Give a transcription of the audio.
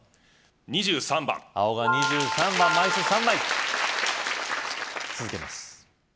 ２３番青が２３番枚数３枚続けます